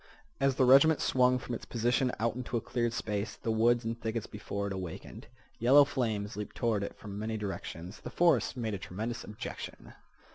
As the regiment swung from its position out into a cleared space the woods and thickets before it awakened. Yellow flames leaped toward it from many directions. The forest made a tremendous objection.